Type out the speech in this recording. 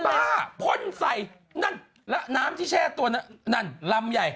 สปาพ่นใสนั่นน้ำที่แช่ตัวนั้นลำใหญ่